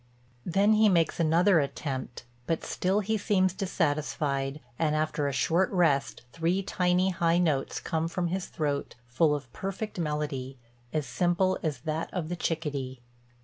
Then he makes another attempt; but still he seems dissatisfied and, after a short rest, three tiny high notes come from his throat, full of perfect melody, as simple as that of the chickadee."